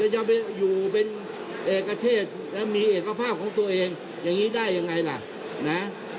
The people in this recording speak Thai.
จะไปอยู่เป็นเอกเทศแล้วมีเอกภาพของตัวเองอย่างนี้ได้ยังไงล่ะนะ